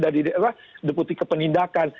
dari deputi kepenindakan